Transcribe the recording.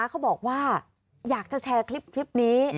เขาบอกว่าอยากจะแชร์คลิปนี้